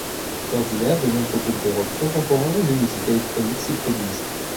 D'ordinaire, de nombreux groupes de rock contemporain et de musique électronique s'y produisent.